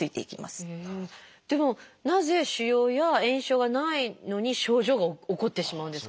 でもなぜ腫瘍や炎症がないのに症状が起こってしまうんですかね？